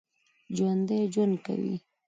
ژوندي ژوند کوي